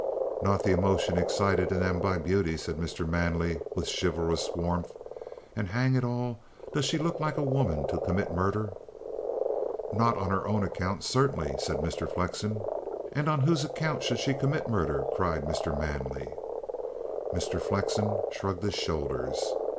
"Not the emotion excited in them by beauty," said Mr. Manley with chivalrous warmth. "And, hang it all! Does she look like a woman to commit murder?" "Not on her own account, certainly," said Mr. Flexen. "And on whose account should she commit murder?" cried Mr. Manley. Mr. Flexen shrugged his shoulders.